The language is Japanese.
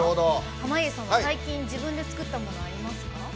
濱家さんは最近自分で作ったものありますか？